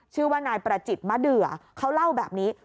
ชื่อว่านายประจิตมะเดือเขาเล่าแบบนี้